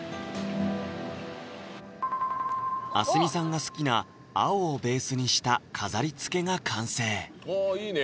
明日海さんが好きな青をベースにした飾りつけが完成あいいね！